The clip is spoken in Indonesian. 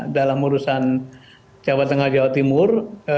dalam urusan jawa tengah jawa timur